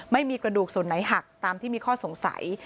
ไม่มีกระดูกส่วนไหนหักตามที่มีข้อสงสัย